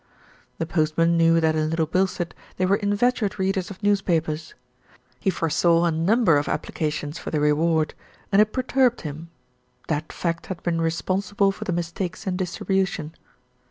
The postman knew that in Little Bilstead they were inveterate readers of newspapers. He foresaw a num ber of applications for the reward, and it perturbed him that fact had been responsible for the mistakes in distribution.